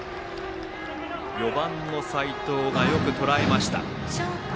４番の齋藤がよくとらえました。